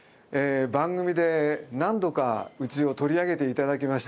番組で何度かうちを取り上げて頂きまして。